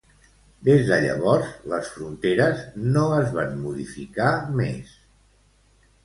Des de llavors, les fronteres no es van modificar més.